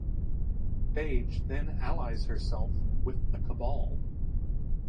Phage then allies herself with the Cabal.